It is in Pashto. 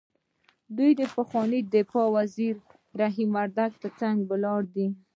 دی د پخواني دفاع وزیر رحیم وردګ تر څنګ ولاړ دی.